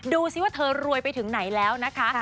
ดูสิว่าเธอรวยไปถึงไหนแล้วนะคะ